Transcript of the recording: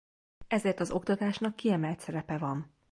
Ezért az oktatásnak kiemelt szerepe van.